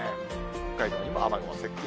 北海道にも雨雲接近。